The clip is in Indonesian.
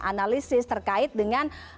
analisis terkait dengan